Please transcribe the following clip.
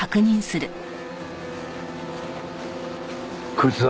こいつだ。